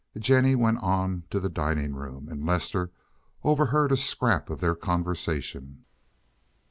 Jennie went on to the dining room, and Lester overheard a scrap of their conversation.